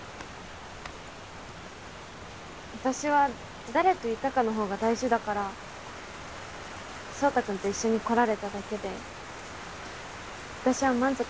私は誰といたかの方が大事だから壮太君と一緒に来られただけで私は満足。